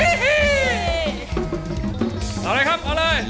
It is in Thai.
เอาเลยครับเอาเลย